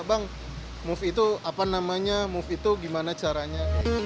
bang move itu apa namanya move itu gimana caranya